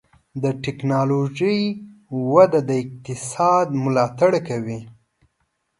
د ټکنالوجۍ وده د اقتصاد ملاتړ کوي.